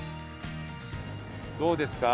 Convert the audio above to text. どうですか？